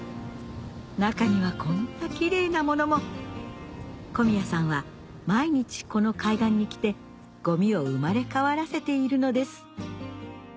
中にはこんなキレイなものも小宮さんは毎日この海岸に来てゴミを生まれ変わらせているのです